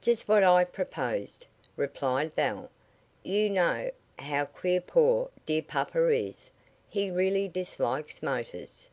"Just what I proposed," replied Belle. "You, know how queer poor, dear papa is. He really dislikes motors."